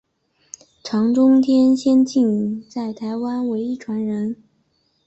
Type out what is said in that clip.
常中天现今在台湾唯一传人。